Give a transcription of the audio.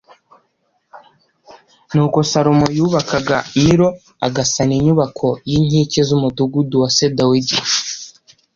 ni uko Salomo yubakaga Milo, agasana icyuho cy’inkike z’umudugudu wa se Dawidi